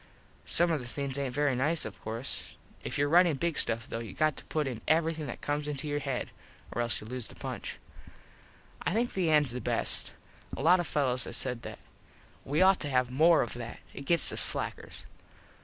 Some of the things aint very nice of course. If your ritin big stuff though you got to put in everything that comes into your head, or else you lose the punch. I think the ends the best. A lot of fellos has said that. We ought to have more of that. It gets the slackers.